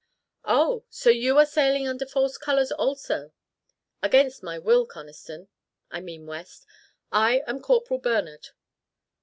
"Oh! So you are sailing under false colors also?" "Against my will, Conniston I mean West. I am Corporal Bernard."